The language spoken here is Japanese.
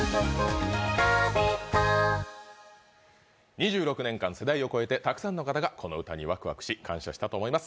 ２６年間世代を超えて、たくさんの方がこの歌にワクワクし、感謝したと思います。